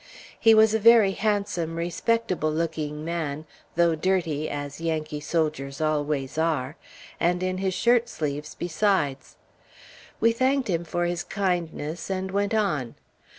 He was a very handsome, respectable looking man, though dirty, as Yankee soldiers always are, and in his shirt sleeves besides. We thanked him for his kindness, and went on.